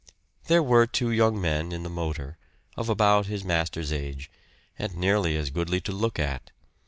There were two young men in the motor, of about his master's age, and nearly as goodly to look at.